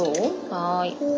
はい。